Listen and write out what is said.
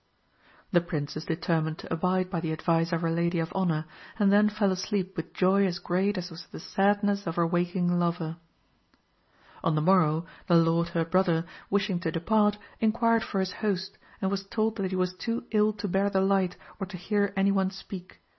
The Princess determined to abide by the advice of her lady of honour, and then fell asleep with joy as great as was the sadness of her waking lover. On the morrow, the lord, her brother, wishing to depart, inquired for his host, and was told that he was too ill to bear the light or to hear any one speak.